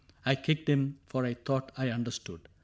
I kicked him, for I thought I understood.